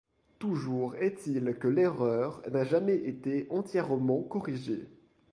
Toujours est-il que l’erreur n'a jamais été entièrement corrigée.